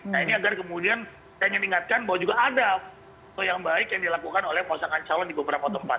nah ini agar kemudian saya ingin ingatkan bahwa juga ada yang baik yang dilakukan oleh pasangan calon di beberapa tempat